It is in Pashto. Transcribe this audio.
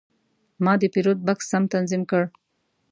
ما د پیرود بکس سم تنظیم کړ.